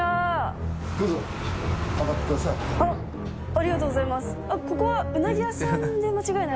ありがとうございます。